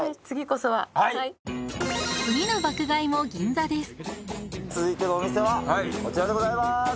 次の爆買いも銀座です続いてのお店はこちらでございます！